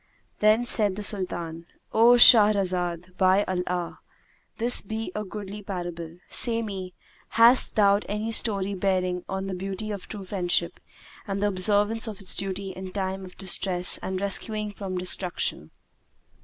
Then said the Sultan, "O Shahrazad, by Allah! this be a goodly parable! Say me, hast thou any story bearing on the beauty of true friendship and the observance of its duty in time of distress and rescuing from destruction?"